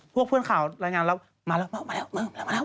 เพื่อนข่าวรายงานแล้วมาแล้วมาแล้วมาแล้ว